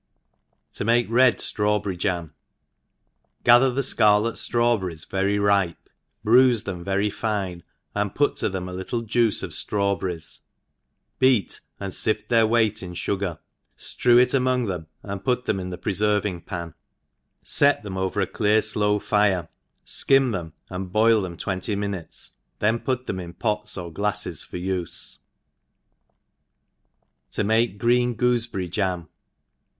• TV make Red Strawbekrv Jam# GATHER the fcarlet ftrawberries very ripe, bruife them very fine, an^ put to them a little juicd of Arawberries, beat and iift their weight in fugar, ftrew it among them, and put them ic^ tb^ preferving pan, fet them over a clear flow fire,^ ^tm thfsiA, and boil tbe;n twenty minutes, the^' But theqi in p<A^ pr glafles for u^, I* s •. To make Q^l^» Gooh:9£jiry Jam^.